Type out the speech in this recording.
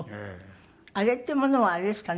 あれっていうものはあれですかね。